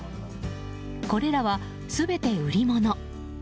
これらは全て売り物。